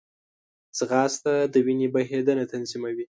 ځغاسته د وینې بهېدنه تنظیموي